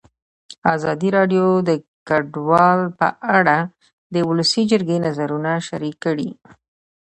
ازادي راډیو د کډوال په اړه د ولسي جرګې نظرونه شریک کړي.